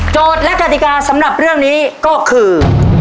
และกติกาสำหรับเรื่องนี้ก็คือ